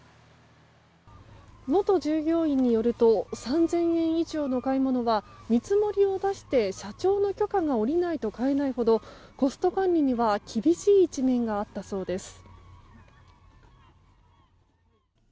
元従業員によると３０００円以上の買い物は見積もりを出して社長の許可が下りないと買えないほどコスト管理には厳しい一面があったそうです。